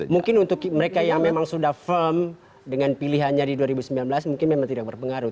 mungkin untuk mereka yang memang sudah firm dengan pilihannya di dua ribu sembilan belas mungkin memang tidak berpengaruh